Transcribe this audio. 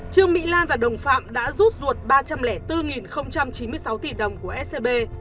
trương mỹ lan và đồng phạm đã rút ruột ba trăm linh bốn chín mươi sáu tỷ đồng của scb